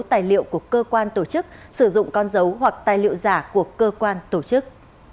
tài liệu của cơ quan tổ chức sử dụng con dấu hoặc tài liệu giả của cơ quan tổ chức